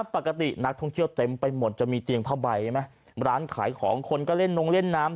ปกตินักท่องเที่ยวเต็มไปหมดจะมีเตียงผ้าใบใช่ไหมร้านขายของคนก็เล่นนงเล่นน้ำ